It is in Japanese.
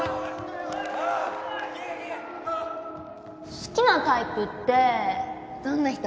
好きなタイプってどんな人？